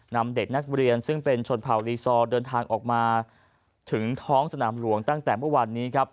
นำเด็กนักเรียนซึ่งเป็นชนเผ่าลีซอร์เดินทางออกมาถึงท้องสนามหลวงตั้งแต่เมื่อวานนี้ครับ